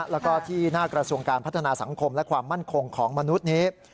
แล้วก็ที่หน้ากระทรวงการพัฒนาสังคมและความมั่นคงของมนุษย์นี้